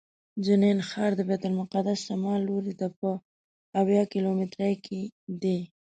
جنین ښار د بیت المقدس شمال لوري ته په اویا کیلومترۍ کې دی.